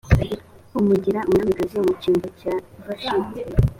amugira umwamikazi mu cyimbo cya vashiti